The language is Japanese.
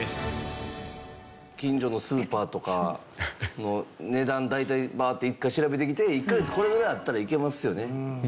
近所のスーパーとかの値段大体回って一回調べてきて１カ月これぐらいあったらいけますよね。